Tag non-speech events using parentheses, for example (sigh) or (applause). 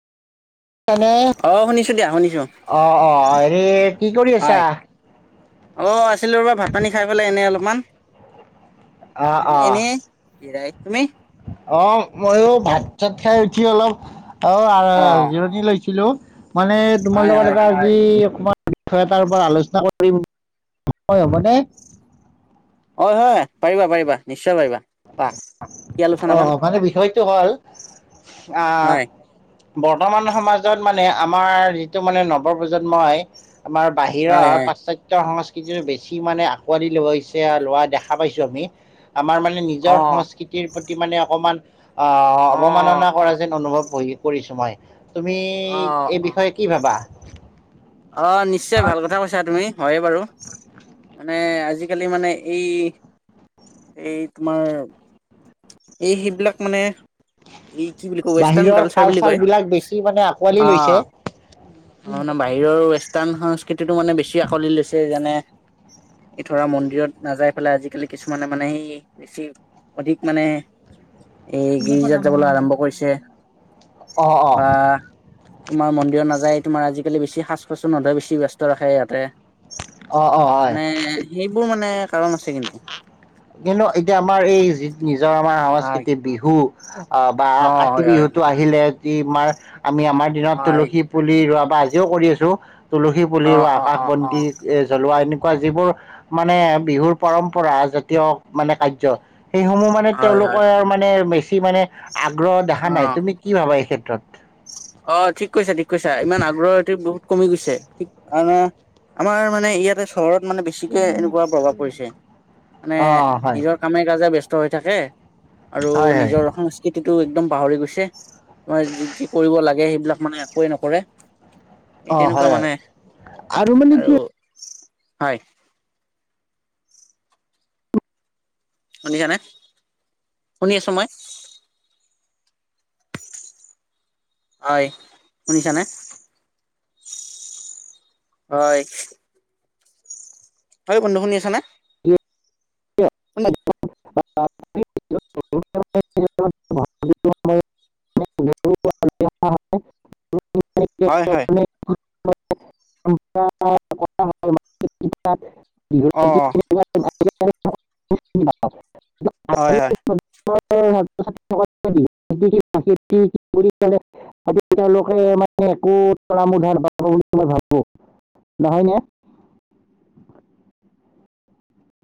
তেনে অ শুনিছো দিয়া শুনিছো অ অ এ এক হয়, অ', আছিলোঁ ৰ'বা ভাত পানী খাই পেলাই এনে অলপ মান অ', এনে কিয়ে তুমি? অ', ময়ো ভাত চাত খাই উঠি অলপ অ', আৰ-আৰ-আৰ জিৰণি লৈছিলোঁ। মানে তোমাৰ হয় লগত হয় এটা আজি তোমাৰ বিষয় এটাৰ পৰা আলোচনা কৰিম, সময় হ'বনে? অ' হয়-হয়, পাৰিবা পাৰিবা নিশ্চয় পাৰিবা। কোৱা কি আলোচনা বা অহ মানে বিষয়টো হ'ল অহ হয় বৰ্তমান সমাজত মানে আমাৰ যিটো মানে নৱপ্ৰজন্ম হয়। আমাৰ হয় বাহিৰাৰ হয় পাশ্চাত্য সংস্কৃতিৰ কি বেছি মানে আকোৱালি লৈছে লোৱা দেখা পাইছো আমি আমাৰ মানে অ নিজৰ সংস্কৃতিৰ প্ৰতি মানে অকমান অ' অৱমাননা কৰা যেন অনুভৱ কৰিছো মই - তুমি অ এই অ বিষয়ে কি ভাবা? (inaudible) অ' নিশ্চয় ভাল কথা কৈছা তুমি। হয়ে বাৰু মানে আজি আজিকালি মানে এই, এই তোমাৰ এই সেইবিলাক মানে এই কি বুলি কয় ৱেষ্টাৰ্ণ বাহিৰৰ কালচাৰ বুলি কয় বিলাক বেছি মানে আঁকোৱালি লৈছে। অ', - অ' মানে বাহিৰৰ ৱেষ্টাৰ্ণ সংস্কৃতিটো মানে বেছি আকোঁৱালি লৈছে যেনে এই ধৰা মন্দিৰত নাযাই পেলাই আজিকালি কিছুমানে মানে সেই বেছি অধিক মানে এই গিৰ্জাত যাবলৈ আৰম্ভ কৰিছে অ', অ', বা তোমাৰ মন্দিৰত নাযায়, তোমাৰ আজিকালি বেছি সাজ কচু নধয় বেছি ব্যস্ত ৰাখে ইয়াতে অ', অ', হয়। মানে সেইবোৰ মানে কাৰণ আছে কিন্তু কিন্তু এতিয়া আমাৰ এই যি নিজৰ আমাৰ হয় সাংস্কৃতিক বিহু। অ' বা কাতি হয় হয় বিহুতো হয় আহিলে যি মাৰ আমি আমাৰ দিনত হয় তুলসী পুলি ৰোৱা আজিও কৰি আছো। তুলসী পুলি, অ অ আকাশ অ অ বন্তি এ জ্বলোৱা এনে। যিবোৰ মানে বিহুৰ পৰম্পৰা। জাতীয় মানে কাৰ্য্য। সেইসমূহ মানে হয় তেওঁলোকৰ হয় আৰু মানে বেছি। সি মানে। আগ্ৰহ অ দেখা নাই, তুমি কি ভাবা এই ক্ষেত্ৰত? অ ঠিক কৈছ ঠিক কৈছা। ইমান আগ্ৰহ এটো বহুত। কমি গৈছে, ঠিক আমাৰ মানে ইয়াতে। চহৰত মানে বেছিকে এনেকুৱা প্ৰভাৱ পৰিছে। মানে অ হয় নিজৰ কামে কাজে বস্ত হৈ থাকে। আৰু হয় হয় নিজৰ সংস্কৃতি। টো একদম পাহৰি গৈছে। মই যি যি। কৰিব লাগে সেইবিলাক মানে একোৱেই নকৰে। এই অ তেনেকুৱা হয় হয় মানে মানে কি আৰু। হয়। শুনিছা নে? শুনি আছো মই। হয়, শুনিছানে? হয়। হয় বন্ধু শুনি আছ নে? অ (unintelligible) (inaudible) হয় হয় (inaudible) (inaudible) (inaudible) অ (inaudible) (inaudible) হয় হয় (inaudible) ছ তেওঁলোকে মানে একো উাৰাপাব বুলি মই ভাবো নহয় ন (inaudible)